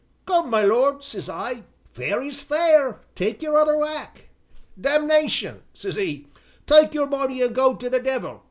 'Come, my lord,' says I, 'fair is fair, take your other whack.' 'Damnation!' says 'e, 'take your money an' go to the devil!'